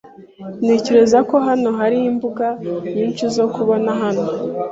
Ntekereza ko hano hari imbuga nyinshi zo kubona hano.